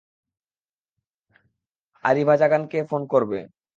আরিভাজাগানকে phone করবে।